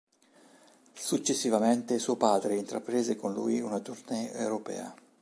Successivamente suo padre intraprese con lui una tournée europea.